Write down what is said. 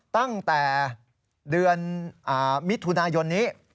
ตั้งแต่เดือนมิถุนายนนี้